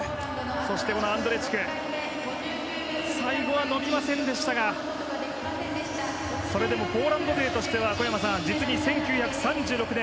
そしてアンドレチク最後は伸びませんでしたがそれでもポーランド勢としては実に１９３６年